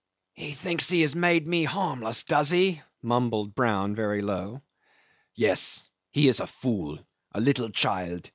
"He thinks he has made me harmless, does he?" mumbled Brown very low. ... "Yes. He is a fool. A little child.